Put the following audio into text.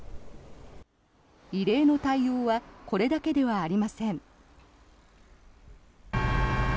異例の対応はこれだけではありません。